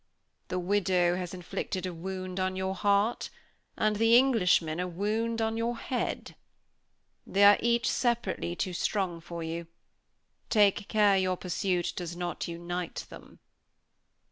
"The widow has inflicted a wound on your heart, and the Englishman a wound on your head. They are each separately too strong for you; take care your pursuit does not unite them."